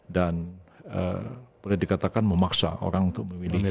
dan boleh dikatakan memaksa orang untuk memilih golkar